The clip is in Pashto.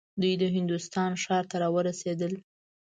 دوی د هندوستان ښار ته راورسېدل.